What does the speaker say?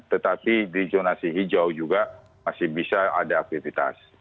tetapi di zonasi hijau juga masih bisa ada aktivitas